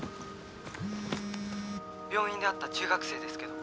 病院で会った中学生ですけど。